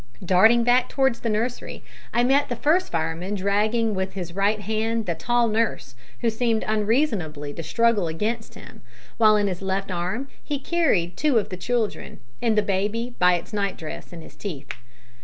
Darting back towards the nursery I met the first fireman dragging with his right hand the tall nurse, who seemed unreasonably to struggle against him, while in his left arm he carried two of the children, and the baby by its night dress in his teeth.